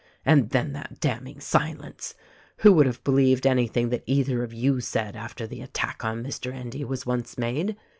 "And then that damning silence ! Who would have believed anything that either of you said after the attack on Mr. Endy was once made?